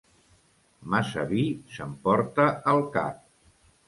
Massa vi s'emporta el cap.